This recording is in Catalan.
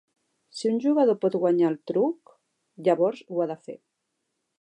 Si un jugador pot guanyar el truc, llavors ho ha de fer.